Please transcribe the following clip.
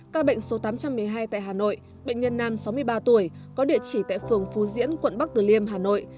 ca bệnh số tám trăm một mươi hai tại hà nội bệnh nhân nam sáu mươi ba tuổi có địa chỉ tại phường phú diễn quận bắc tử liêm hà nội